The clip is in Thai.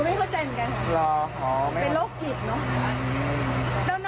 ประมาณ๑จุดเลยนะ